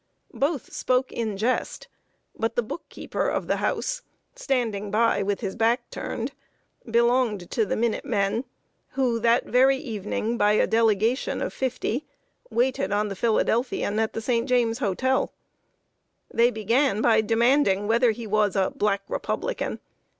Both spoke in jest; but the bookkeeper of the house, standing by, with his back turned, belonged to the Minute Men, who, that very evening, by a delegation of fifty, waited on the Philadelphian at the St. James Hotel. They began by demanding whether he was a Black Republican.